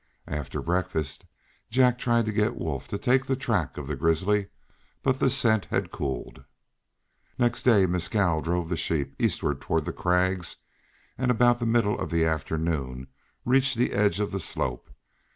After breakfast Jack tried to get Wolf to take the track of the grizzly, but the scent had cooled. Next day Mescal drove the sheep eastward toward the crags, and about the middle of the afternoon reached the edge of the slope.